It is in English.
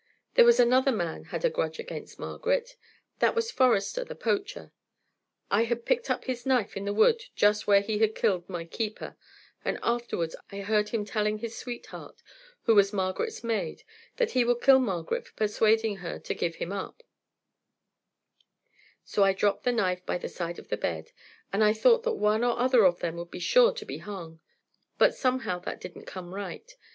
There was another man had a grudge against Margaret; that was Forester, the poacher. I had picked up his knife in the wood just where he had killed my keeper, and afterwards I heard him telling his sweetheart, who was Margaret's maid, that he would kill Margaret for persuading her to give him up; so I dropped the knife by the side of the bed, and I thought that one or other of them would be sure to be hung; but somehow that didn't come right.